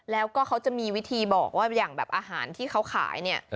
แล้วก็เขาจะมีวิธีบอกว่าอย่างแบบอาหารที่เขาขายเนี่ย